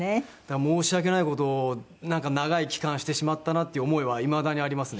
申し訳ない事を長い期間してしまったなっていう思いはいまだにありますね。